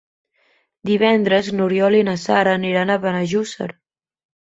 Divendres n'Oriol i na Sara aniran a Benejússer.